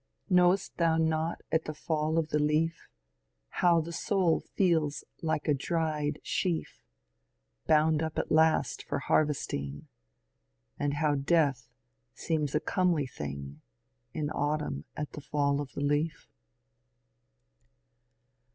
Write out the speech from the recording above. Know'st thou not at the fall of the leaf How the soul feels like a dried sheaf , Bound up at last for harvesting ; And how death seems a comely thing In Autumn at the fall of the leaf